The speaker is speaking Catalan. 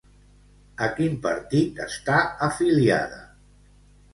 A quin partit està afiliada?